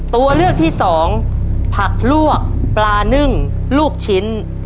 ตัวเลือกที่สองผักลวกปลานึ่งลูกชิ้น